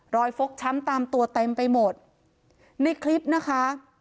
ฟกช้ำตามตัวเต็มไปหมดในคลิปนะคะ